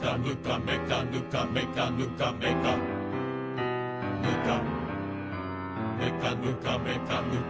「めかぬかめかぬかめかぬかめかぬかめかぬか」